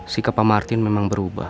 sikap pak martin memang berubah